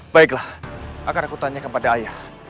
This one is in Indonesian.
baiklah akan aku tanya kepada ayah